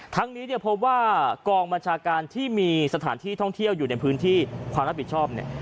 ทั้งนี้เนี่ยพบว่ากองบัญชาการที่มีสถานที่ท่องเที่ยวอยู่ในพื้นที่ความรับผิดชอบเนี่ย